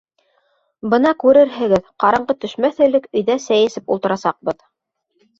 Бына күрерһегеҙ, ҡараңғы төшмәҫ элек өйҙә сәй эсеп ултырасаҡбыҙ...